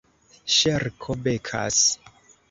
Ŝerko Bekas